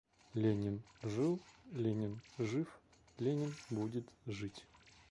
Ленин — жил, Ленин — жив, Ленин — будет жить.